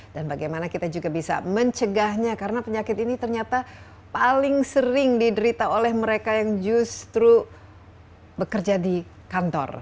dan bagaimana kita juga bisa mencegahnya karena penyakit ini ternyata paling sering diderita oleh mereka yang justru